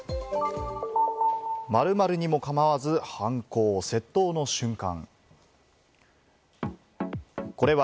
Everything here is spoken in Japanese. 〇〇に構わず犯行、窃盗の瞬間。